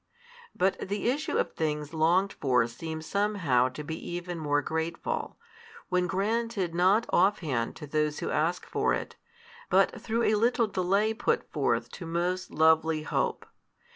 But the issue of things longed for seems somehow to be even more grateful, when granted not off hand to those who ask for it, but through a little delay put forth to most lovely hope.